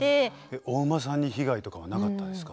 お馬さんに被害とかはなかったんですか？